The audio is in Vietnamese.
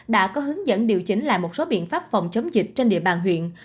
đã có hướng dẫn điều chỉnh lại một số biện pháp phòng chống dịch trên địa bàn huyện